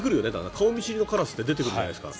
顔見知りのカラスって出てくるじゃないですか。